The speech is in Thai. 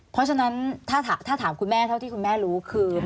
เพราะฉะนั้นถ้าถามคุณแม่เท่าที่คุณแม่รู้คือ